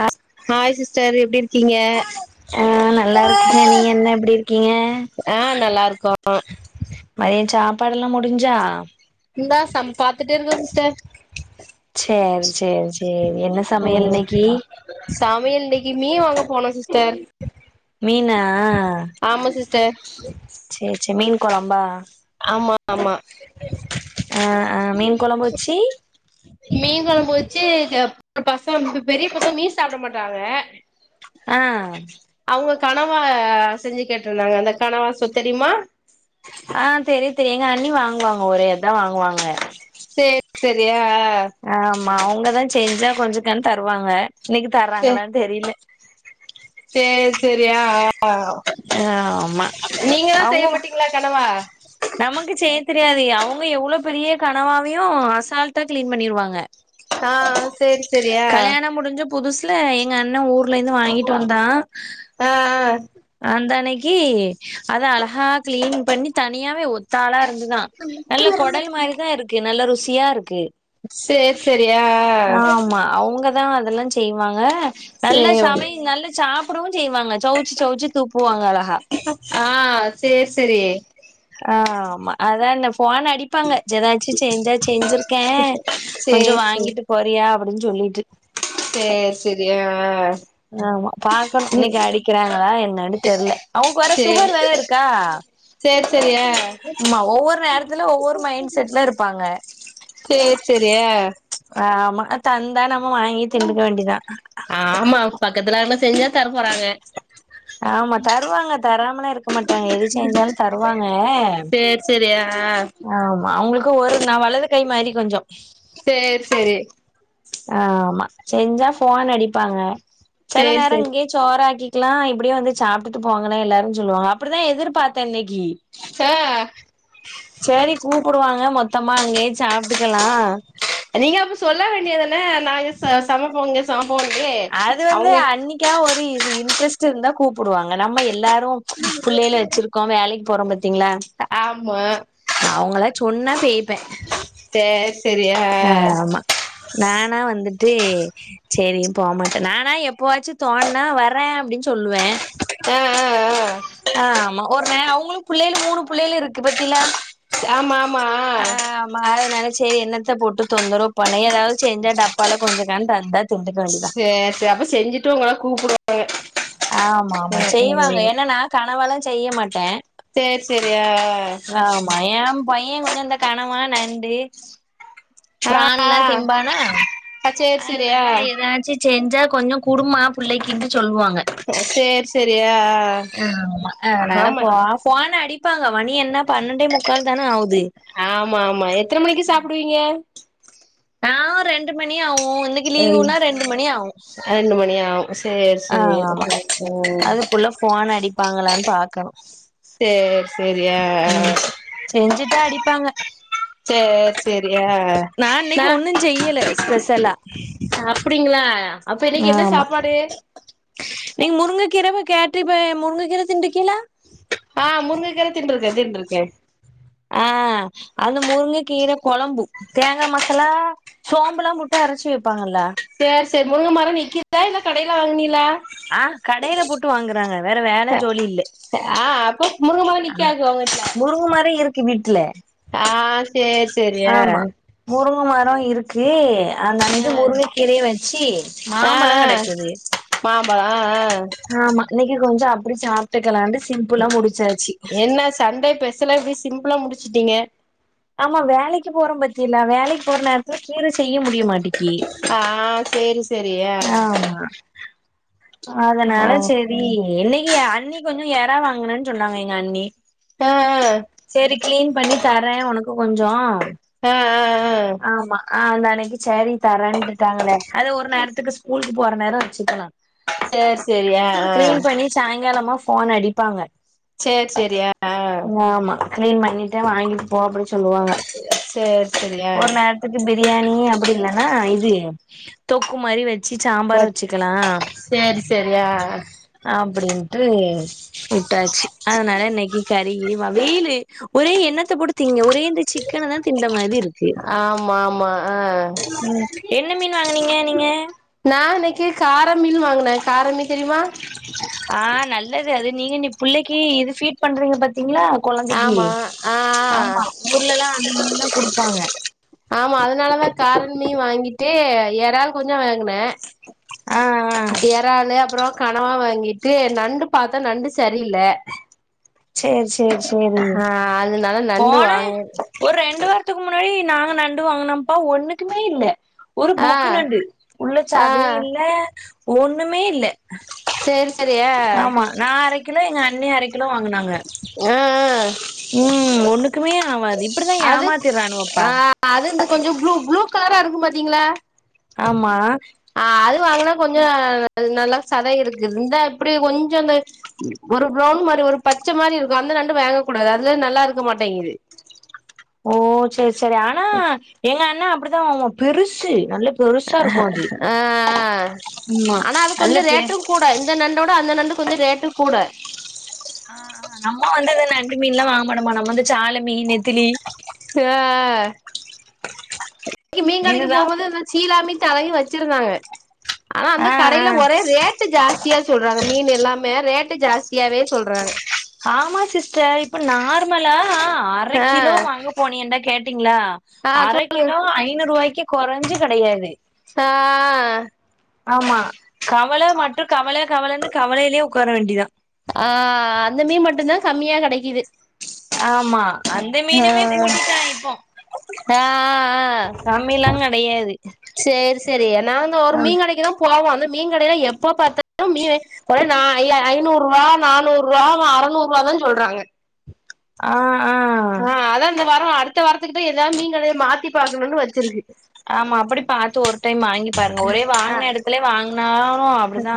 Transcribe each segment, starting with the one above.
ஆ hi sister எப்டி இருக்கீங்க ஆ நல்லாருக்கே நீங்க என்ன எப்டி இருக்கீங்க ஆ நல்லா இருக்கோ மதிய சாப்பாடெல்லா முடிஞ்சா இந்தா சம் பாத்துட்டே இருக்கோ சிஸ்டர் செரி செரி என்ன ஓ சமையல் இன்னைக்கி சமையல் இன்னைக்கு மீன் வாங்க போனோ சிஸ்டர் மீனா ஆமா சிஸ்டர் செரி செரி மீன் கொழம்பா ஆமா ஆமா ஆ ஆ மீன் கொழம்பு வச்சி மீன் கொழம்பு வச்சி பசங் பெரிய பசங்க மீன் சாப்ட மாட்டாங்க ஆ கணவா செஞ்சி கேட்ருந்தாங்க அந்த கனவா சொ தெரியுமா ஆ தெரியு தெரியு எங்க அண்ணி வாங்குவாங்க ஒரே இதா வாங்குவாங்க சேர் செரி ஆ ஆ ஆமா அவுங்கதா செஞ்சா கொஞ்சக்கான் தருவாங்க இன்னைக்கு தர்றாங்களான் தெரியில சேர் செரியா ஆ ஆ ஆமா அவுங்கோவா மாட்டீங்களா கனவா நமக்கு செய்ய தெரியாது யா அவுங் க எவ்ளோ பெரிய கனவாவையு அசால்டா கிளீன் பண்ணிருவாங்க ஆ செரி செரியா கல்யாணம் முடிஞ்ச புதுசுல எங்க அண்ண ஊர்லந்து வாங்கிட்டு வந்தா ஆ ஆ அந்த அன்னைக்கு அத அழகா கிளீன் பண்ணி தனியாவே ஒத்தாளா இருந்து நல்ல கொடல் மாரிதா இருக்கு நல்ல ருசியா இருக்கு செரி செரி ஆ ஆ ஆமா அவங்கதா அதெல்லா செய்வாங்க நல்லா சேவ் சமைய நல்ல சாப்பிடவு செய்வாங்க சோச்சு தூப்புவாங்க அழகா ஆ செரி சரி ஆ ஆமா அதான போனு அடிப்பாங்க ஏதாச்சு செஞ்சா செஞ்சிருக்கே கொஞ்ச சேர் வாங்கிட்டு போறியா அப்டின்னு சொல்லிட்டு செரி செரி ஆ ஆ ஆமா பாக்கணு ம் இன்னைக்கு அடிக்கிறாங்களா என்னன்னனு தெரில அவங்க வேற சுகர் வேற சேர் இருக்கா சேர் செரி ஆ ஆமா ஒவ்வொரு நேரத்துல ஒவ்வொரு மைண்ட் செட்ல இருப்பாங்க செரி செரி ஆ ஆ ஆமா தந்தா நம்ம வாங்கி திண்டுக்க வேண்டியதா ஆமா பக்கத்துலயார்னா செஞ்சா தர போறாங்க ஆமா தருவாங்க தராமல இருக்க இருக்க மாட்டாங்க எது செஞ்சாலு தருவாங்க சேர் செரி ஆ ஆ ஆமா அவங்களுக்கு ஒரு ந வலது கை மாதிரி கொஞ்ச செரி சரி ஆ ஆமா செஞ்சா போன் அடிப்பாங்க சில சேர் நேர செரி இங்கேயே சோறக்கி லாம் இப்படியே வந்து சாப்பிட்டு போங்கன்னா எல்லாரு சொல்லுவாங்க அப்படிதா எதிர்பாத்தேன்னைக்கு ஆ சரி கூப்பிடுவாங்க மொத்தமா அங்கயே சாப்பிட்டுக்கலா நீங்க அப்ப சொல்ல வேண்டியதன நாங்க சமைப்போங்க சமைப்போன்ட்டு அது வந்து அவுங்க அன்னைக்கா ஒரு இன்ட்ரெஸ் இருந்தா கூப்பிடுவாங்க நம்ம எல்லாரு பிள்ளைல வச்சிருக்கோ வேலைக்கு போறோ ங்களா ஆமா அவங்களா சொன்னா செய்ப்பே சேர் செரி ஆ ஆமா நானா வந்துட்டு சரி போகமாட்ட நானா எப்பாச்சு தோணனா வர்ற அப்படின்னு சொல்லுவ ஆ ஆ ஆ ஆ ஆமா ஒரு ந அவங்களு பிள்ளைளு மூணு பிள்ளைளு இருக்கு பத்தில ஆமா ஆமா ஆமா அதனால சரி என்னத்த போட்டு தொந்தருவு பொண்ண ஏதாவது செஞ்சா டப்பால கொஞ்சண தந்தா திண்டுக வேண்டியதா சேர் செரி அப்ப செஞ்சுட்டு உங்கள கூப்புடுவா ஆமா ஆமா ம் செய்வாங்க என்னன்னா செய்ய மாட்டே சரி சரி ஆ ஆ ஆமா என் பையன் கொஞ்ச இந்த கணவ நண்டு ஆ பிரான் ஆ எல்லா திம்பானா ஆ சேரி சேரி ஆ அதனால ஏதாச்சி செஞ்சா கொஞ்ச கூடும்பமா பிள்ளைக்கு கின்டு சரி சரி ஆ ஆ ஆமா அதனால போ போன் அடிப் ப்பாங்க மணி என்ன பன்னெண்டே முக்கா தானே ஆகுது ஆமா ஆமா எத்தன மணிக்கு சாப்டுவீங்க ஆ ரெண்டு மணி ஆகு உனக்கு லீவ் ரெண் ன ரெண்டு மணி ஆவு ரெண்டு மணி ஆவு சேரி சேரி ஆமா ம் க்குள்ள போன் அடிப்பாங்களான்னு பாக்கனு சரி சரி ஆ அ செஞ்சுட்டு அடிப்பாங்க சரி சரி அ ஒண்ணு செய்யல ஸ்பெஷலா அப்டிங்களா அப்ப இன்னைக்கு என்ன ஆமா சாப்பாடு நீங்க முருங்கை கீரைவை கேட்டறிப்ப முருங்கை கீரை திண்றுக்கீலா ஆ முருங்கக்ககீர தின்ட்ருக்கே தின்ட்ருக்கே ஆ அந்த முருங்கக்கீர கொழம்பு தேங்கா மசாலா சோம்புல்லா போட்டு அரைச்சு வப் ப்பாங்கல்ல செரி முருங்க மர நிக்குதா இல்ல கடையில வாங்கினீளா ஆ கடையில போட்டு வாங்குறாங்க வேற வேல ஜோலி இல்லே ஆ அப்போ முருங்க மரோ ஆ நிக்காது உங்க வீட்ல முருங்கமர இருக்கு வீட்ல ஆ சேரி சேரி ஆ ஆமா முருங்கமரோ இருக்கு ஆ அன்னன்னைக்கு முருங்கக்கீரைய வச்சு ஆ மாம்பழ ஆ கடக்குது மாம்பழோ ஆ ஆ ஆமா இன்னைக்கு கொஞ்ச அப்டி சாப்ட்டுக்கலாண்டு என்ன சண்டே பெஷல இப்டி சிம்பிளா முடிச்சுட்டீங்க ஆமா வேலைக்கு போறோ பாத்தீளா வேலைக்கு போற நேரத்துல கீர செய்ய முடியமாட்டக்கி ஆ சேரி சேரி ஆ ஆமா ஆ அதனால ஆ செரி இன்னைக்கி அண்ணி கொஞ்ச எறா வாங்கலான்னு சொன்னாங்க எங்க அண்ணி ஆ ஆ சேரி கிளீன் பண்ணி தர ஒனக்கு கொஞ்சோ ஆ ஆ ஆமா ஆ அந்தன்னைக்கி சேரி தரேன்ட்டுட்டாங்களே அது ஒரு நேரத் துக்கு ஸ்கூலுக்கு போற நேரோ வச்சுக்கலா ஆ சேரி சேரி ஆ ஆ கிளீன் பண்ணி சாய்ங்காலமா ஃபோன் அடிப்பாங்க செரி செரி ஆ ஆமா கிளீன் பண்ணிட்ட வாங்கிட் சேரி செரி அ ஒரு நேரத்துக்கு பிரியாணி அப்டி இல்லன்னா இது தொக்கு மாரி வச் ச்சி சாம்பார் வச்சிக்கலா சேரி சேரி ஆ அப்டின்ட்டு வுட்டாச்சு அதனால இன்னைக்கி கறி கிறிவா வெயிலு ஒரே என்ன த்த போட்டு திங்க ஒரே இந்த சிக்கனதா திண்ட மாதி இருக்கு ஆமா ஆமா ஆ நா ம் என்ன மீன் வாங்குனீங்க நீங்க நா இன்னைக்கி கார மீனு வாங்குன கார மீன் தெரியுமா ஆ நல்லது அது நீ இனி புள்ளைக்கி இது ஃபீட் பண்றீங்க பாத் தீங்களா கொழந்தைக்கி ஆமா ஆ ஆ ஆமா ஊர்லல்லா அந்த மீன்தா குடுப்பாங்க ஆமா அதனாலதா காரன் மீன் வாங்கிட்டு எறால் கொஞ்சோ வாங்குன ஆ ஆ எறாலு அப்புறோ கனவா வாங்கிட்டு நண்டு பாத்த நண்டு சரியில்ல சேரி சேரி சேரி ஆ அதனால நண்டு போன வாங்க ஒரு ரெண்டு பே த்துக்கு முன்னாடி நாங்க நண்டு வாங்குனோம்ப்பா ஒன்னுக்குமே இல்ல ஒரு ஆ புக்கு நண்டு உள்ள ஆ சதையு இல்ல ஒன்னுமே இல்ல சேரி சேரி ஆ ஆமா நா அரக்கிலோ எங்க அண்ணி அரக்கிலோ வாங்குனாங்க ஆ ம் ஒன்னுக்குமே ஆவாது இப் அது ஆ அது இந்த கொஞ்சோ ப்ளூ ப்ளூக் கலரா இருக்கு பாத்தீங்களா ஆமா ஆ அது வாங்குனா கொஞ்சோ அது நல்லா சதை இருக்கு இந்தா இப்டி கொஞ்சோ இந்த ஒரு ப்ரவுன் மாரி ஒரு பச்ச மாரி இருக்கு அந் த நண்டு வேங்கக்கூடாது அதுதா நல்லா இருக்க மாட்டேங்குது ஓ செரி செரி ஆனா எங்க அண்ண அப்டிதா வாங்குவா பெருசு நல்ல பெருசா இருக்கு அது ஆ ஆ ஆமா ஆனா அது நல்ல கொஞ்சோ பே ரேட்டுங்கூட இந்த நண்டோட அந்த நண்டு கொஞ்சோ ரேட்டு கூட ஆ ஆ நம்மோ வந்து இந்த நண்டு மீன்லா வாங்க மாட்டோமா நம்ம வந்து சால மீன் நெத்திலி ஆ ஆ இன்னைக்கி மீன் கடைக்கு இதுதா போம்போது இந்த சீலாமீன் தலையு வச்சிருந்தாங்க ஆனா அந்த ஆ ஆ கடையில ஒரே ரேட்டு ஜாஸ்தியா சொல்றாங்க மீனு எல்லாமே ரேட்டு ஜாஸ்தியாவே சொல்றாங்க ஆமா சிஸ்டர் இப்ப நார்மலா அர ஆ கிலோ வாங்க போனியேண்டா கேட்டி ங்களா ஆ அர சொல் கிலோ ஐநூறு ரூவாய்க்கு கொறஞ்சு கெடையாது ஆ ஆமா கவல மட்டு கவல கவலன்னு கவலையிலயே உக்கார வேண்டியதா ஆஹ் அந்த மீன் மட்டுதா கம்மியா கெடைக்குது ஆமா அந்த ஆ மீனுமே கூட்டிட்டா இப்போ ஆ ஆ கம்மில்லா கெடையாது செரி செரி நாங்க ஒரு மீன் கடைக்குதா போவோ அந் மீன் கடைல எப்ப பாத்தாலு மீன் ஒரு ஐ ஐநூறு ரூபா நானூறு ரூபா அறநூறு ரூபா தா சொல்றாங்க ஆஹ் ஆஹ் அதா இந்த வாரோ அடுத்த வாரத்துக்கிட்ட ஏதாவது மீன் கடைய மாத்தி பாக்கணுன்னு வச்சுருக்கு ஆமா அப்டி பாத்து ஒரு டைம் வாங்கி பாருங்க ஒரே வாங்கின எடத்துலே வாங்கினாலு அப்டிதா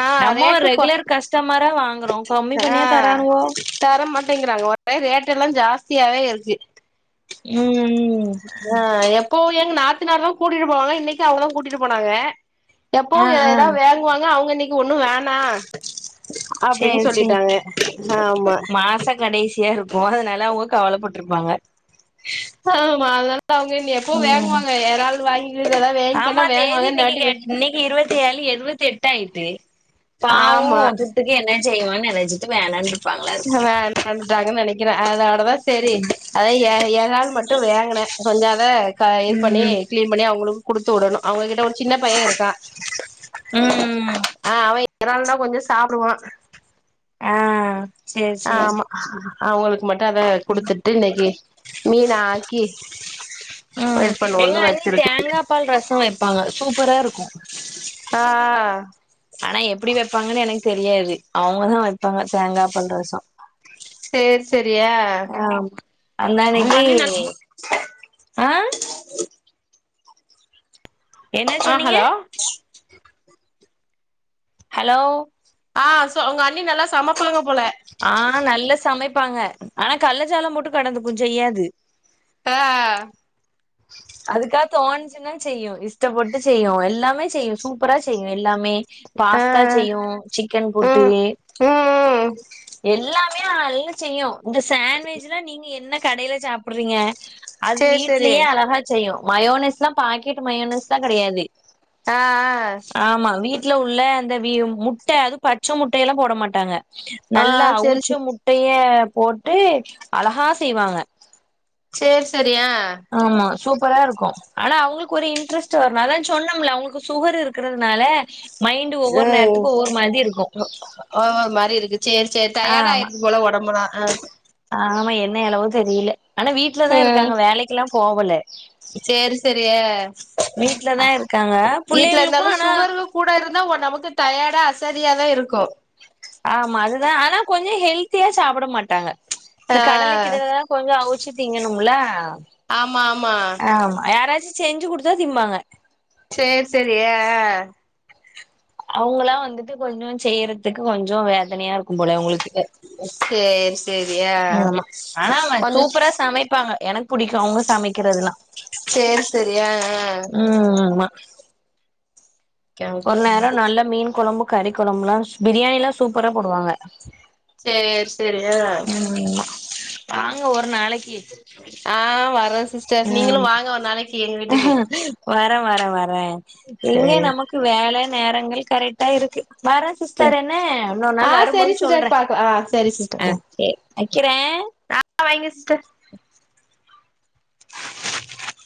ஆ நம்ம ஒரு ரேட்டு கொ ரெகுலர் கஸ்டமரா வாங்குறோ கம்மி பண்ணியா தரானுவோ ங்கறாங்க ஒரே ரேட் எல்லா ஜாஸ்தியாவே இருக்கு ம் ம் ஆஹ் எப்போவு எங்க நாத்தனார் தா கூட்டிட்டு போவாங்க இன்னைக்கு அவுங்கதா கூட்டிட்டு போனாங்க எப்போ ஆ ஆ ஏதாவது வேங்குவாங்க அவுங்க இன்னைக்கு ஒண்ணு வேணா அப்டின்னு சேரி சேரி சொல்லிட்டாங்க ஆமா போனதுனால அவுக கவலப்பட்ருப்பாங்க ஆமா அதான ல அவுங்க எப்வு ம் வேங்குவாங்க எறால் வாங்கி இதெல்லா வேங்கினா ஆமா வேங்குவாங்க இந்த வாட்டி இருவத்தெட்டாயிட்டு பாவோ ஆமா துட்டுக்கு என்ன செய்வானு நெனச்சுட்டு ஆஹ் மறந்துட்டாங்கனு நெனைக்கிறே அதா அதா செரி அதா ஏ எறால் மட்டூ வேங்குனே கொஞ்சா அதா க இது பண்ணி ம் க்ளீன் பண்ணி அவுங்களு குடுத்து வுடணு அவுங்ககிட்ட ஒரு சின்ன பையே இருக்கா ம் ஆஹ் அவே எறாள்ன்னா கொஞ்சோ சாப்டுவா ஆஹ் ஆமா அவுங்களுக் க்கு மட்டூ அத குடுத்துட்டு இன்னைக்கு மீன ஆக்கி வெயிட் பண்ணுவோனு வச்சிருக்கு ப்பால் ரசோ வைப்பாங்க சூப்பரா இருக்கூ ஆஹ் ஆனா எப்டி வைப்பாங்கன்னு எனக்கு தெரியாது அவுங்கதா வைப்பாங்க தேங்கா பால் ரசோ சேரி சேரியா ஆமா உங்க அந்தன்னைக்கி அண்ணி நல் ஆஹ் என்ன ஆ சொன்னீங்க ஹலோ ஹலோ ஆஹ் சோ உங்க அண்ணி நல்லா சமைப்பாங்க போல ஆஹ் நல்லா சமைப் ப்பாங்க ஆனா கள்ளச்சாலோ போட்டு கடந்துபுஞ் செய்யாது ஆஹ் அதுக்கா தோணிச்சினா செய்யு இஷ்டப்பட்டு செய்யு எல்லாமே செய்யு சூப்பரா செய்யு எல்லாமே ஆ பாஸ்தா செய்யு சிக்கன் போட்டு ம் ம் எல்லாத் த்தையு நல்லா செய்யு இந்த சாண்ட்விச்லா நீங்க என்ன கடைல சாப்றீங்க அது சேரி சேரி வீட்லயே அழகா செய்யு மயோனஸ்லா பாக்கெட் மயோனஸ் தா கெடையாது ஆஹ் ஆஹ் ஆமா வீட்ல உள்ள அந்த வி முட்ட அது பச்ச முட்டையெல்லா போட மாட்டாங்க ஆ நல்ல செரி அவுச்ச செ முட்ட ய போட்டு அழகா செய்வாங்க சேரி செத் ஆமா சூப் பரா இருக்கூ ஆனா அவுங்களுக்கு ஒரு இன்ட்ரெஸ்ட் வரணு அதா சொன்னோம்ல அவுங்களுக்கு சுகர் இருக்கிறதுனால மைண்ட் ஒவ்வொரு ம் நேரத்துக்கு ஒவ்வொரு மாதிரி இருக்கு ஒரு மாரி இருக்கு சேரி சேரி டயர்ட் ஆமா ஆய்றது போல ஒடம் புலா அ ஆமா என்ன எழவோ தெரில ஆனா வீட்லதாஇருக்காங்க வேலைக்கெல்லா போவல சேரி சேரி அ வீட்லதா இருக்காங்க வீட்ல புள்ளைகளுக்கு இருந்தாலு ஆனா சுகரு கூட இருந்தா ஓ நமக்கு கு டயர்டா அசதியாதா இருக்கு ஆமா அதுதா ஆனா கொஞ்சோ ஹெல்த்தியா சாப்ட மாட்டாங்க ஆ இந்த கடல கிடல லா கொஞ்சோ அவுச்சு திங்கணுமுல ஆமா ஆமா செஞ்சு குடுத்தா திம்பாங்க சேரி சேரி அ அ அவுங்களா வந்துட்டு கொஞ்சோ செய்றதுக்கு கொஞ்சோ வேதனையாருக்கு போல அவுங்களுக்கு பேன்ஸ் ஆமா ஆனா ஒண்ணு சூப்பரா சமைப்பாங்க எனக் புடிக்கு அவுங்க சமைக்கிறதுலா சேரி செரி ஆ ம் ஆமா ஆ ஒரு நேர நல்ல மீன் குழம்பு கறி குழம்புல்லா பிரியாணியெல்லா சூப்பரா போடுவாங்க சேரி சேரி அ ம் ஆமா வாங்க ஒரு நாளைக்கி அ வர சிஸ்டர் நீங்களு வாங்க ஒரு நாளைக்கி எங்க வீட்டுக்கு வர வர வர எங்க சேரி நமக்கு வேலை நேரங்கள் கரெக்டா இருக்கு வர சரி சிஸ்டர் என்ன இன்னொரு ஆ நாள் சரி வரும்போது சொல்ற சிஸ்டர் பாக்கலா ஆ சரி சிஸ்டர் அ சேரி வெக்கிறே ஆ அ வைங்க சிஸ்ட